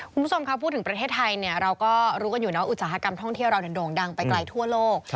คุณผู้ชมค่ะพูดถึงประเทศไทยเราก็รู้กันอยู่นะอุตสาหกรรมท่องเที่ยวเราโด่งดังไปไกลทั่วโลก